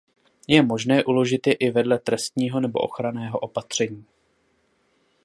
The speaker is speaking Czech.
Je možné uložit je i vedle trestního nebo ochranného opatření.